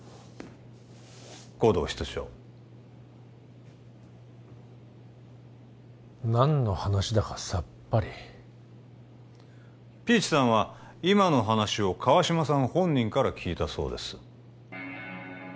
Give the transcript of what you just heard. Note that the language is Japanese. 護道室長何の話だかさっぱりピーチさんは今の話を川島さん本人から聞いたそうです